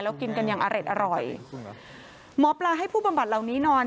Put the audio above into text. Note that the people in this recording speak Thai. แล้วกินกันอย่างอร่อยหมอปลาให้ผู้บำบัดเหล่านี้นอน